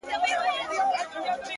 لا به په تا پسي توېږي اوښکي”